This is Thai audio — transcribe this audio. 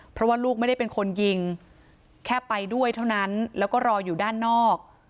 เพราะว่าลูกไม่ได้เป็นคนยิงแค่ไปด้วยเท่านั้นแล้วก็รออยู่ด้านนอก